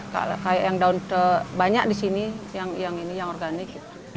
kayak yang daun banyak di sini yang ini yang organik